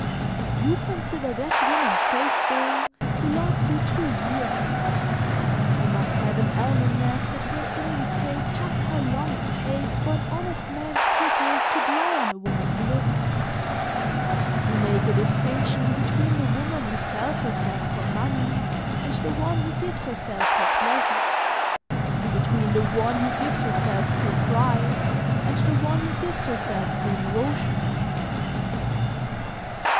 "You consider that woman faithful who loves you two years; you must have an almanac that will indicate just how long it takes for an honest man's kisses to dry on a woman's lips. You make a distinction between the woman who sells herself for money and the one who gives herself for pleasure, between the one who gives herself through pride and the one who gives herself through devotion.